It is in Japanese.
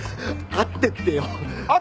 会ってって？